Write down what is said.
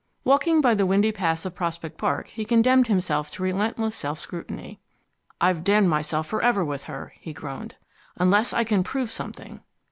Walking the windy paths of Prospect Park he condemned himself to relentless self scrutiny. "I've damned myself forever with her," he groaned, "unless I can prove something."